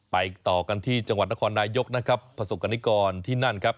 ไปต่อกันที่จังหวัดนครนายกนะครับประสบกรณิกรที่นั่นครับ